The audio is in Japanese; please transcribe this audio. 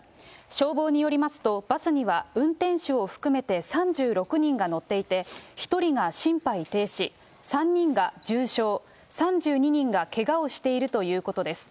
消防によりますと、バスには運転手を含めて３６人が乗っていて、１人が心肺停止、３人が重傷、３２人がけがをしているということです。